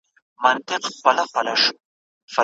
ځینې بیا د "بېلابېلې ویبپاڼې" په ډول عام یادونه کوي.